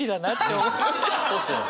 そうっすよね。